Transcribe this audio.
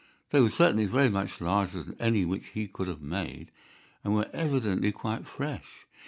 "They were certainly very much larger than any which he could have made, and were evidently quite fresh.